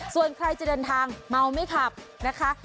ส่วนใครจะเดินทางเมาไม่ขับนะคะ